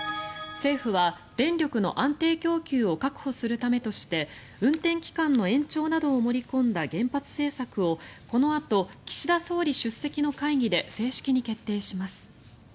政府は電力の安定供給を確保するためとして運転期間の延長などを盛り込んだ原発政策をこのあと、岸田総理出席の会議で正式に決定します。